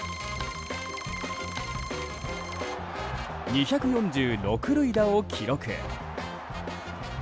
２４６塁打を記録。